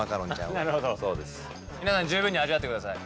皆さん十分に味わってください。